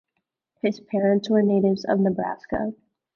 His parents were natives of Nebraska.